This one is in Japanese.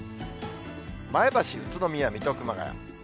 前橋、宇都宮、水戸、熊谷。